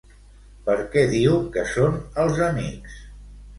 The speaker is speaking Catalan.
Per què diu que són els amics?